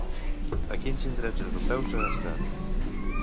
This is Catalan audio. A quins indrets europeus ha estat?